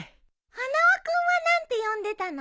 花輪君は何て呼んでたの？